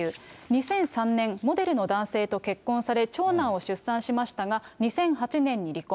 ２００３年、モデルの男性と結婚され、長男を出産しましたが、２００８年に離婚。